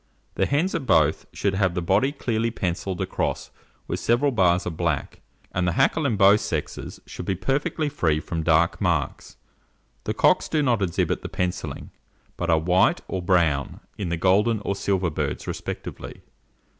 The hens of both should have the body clearly pencilled across with several bars of black, and the hackle in both, sexes should be perfectly free from dark marks. The cocks do not exhibit the pencillings, but are white or brown in the golden or silver birds respectively.